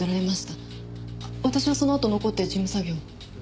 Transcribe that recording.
私はそのあと残って事務作業を。